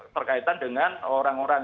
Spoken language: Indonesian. terkaitan dengan orang orang